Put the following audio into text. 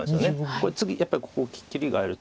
これ次やっぱりここ切りがあるとあれなので。